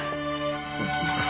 失礼します。